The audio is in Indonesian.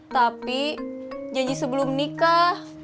tapi janji sebelum nikah